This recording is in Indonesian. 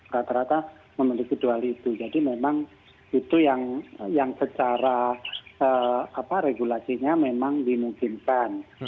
rata rata memiliki dua hal itu jadi memang itu yang secara regulasinya memang dimungkinkan